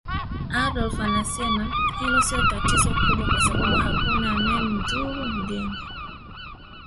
Adolf anasema hilo sio tatizo kubwa kwa sababu hakuna anayemdhuru mgeni